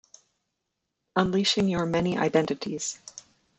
"Unleashing Your Many Identities".